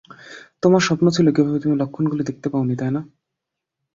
তোমার স্বপ্ন ছিল কীভাবে তুমি লক্ষণগুলি দেখতে পাওনি, তাই না?